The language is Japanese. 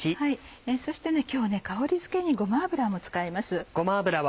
そして今日香りづけにごま油も使います。